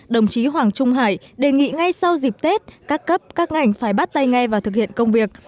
đồng chí hoàng trung hải đề nghị ngay sau dịp tết các cấp các ngành phải bắt tay nghe và thực hiện công việc